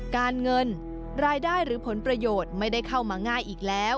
การเงินรายได้หรือผลประโยชน์ไม่ได้เข้ามาง่ายอีกแล้ว